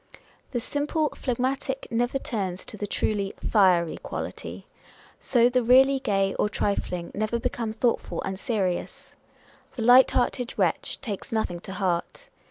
The simply phlegmatic never turns to the truly " fiery quality." So, the really gay or trifling never become thoughtful and serious. The light hearted wretch takes nothing to heart.